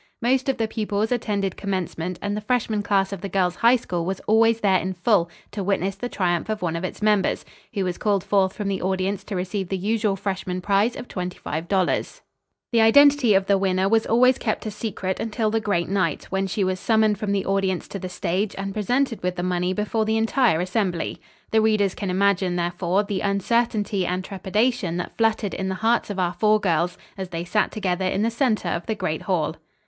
Most of the pupils attended commencement and the freshman class of the Girls' High School was always there in full to witness the triumph of one of its members, who was called forth from the audience to receive the usual freshman prize of twenty five dollars. The identity of the winner was always kept a secret until the great night, when she was summoned from the audience to the stage and presented with the money before the entire assembly. The readers can imagine, therefore, the uncertainty and trepidation that fluttered in the hearts of our four girls as they sat together in the center of the great hall.